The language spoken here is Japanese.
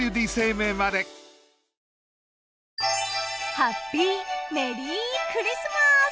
ハッピーメリークリスマス！